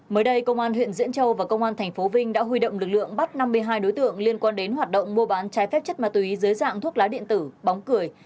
mới đây công an huyện diễn châu và công an tp vinh đã huy động lực lượng bắt năm mươi hai đối tượng liên quan đến hoạt động mua bán trái phép chất ma túy dưới dạng thuốc lá điện tử bóng cười